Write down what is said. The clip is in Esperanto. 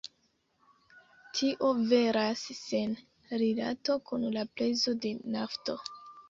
Tio veras sen rilato kun la prezo de nafto.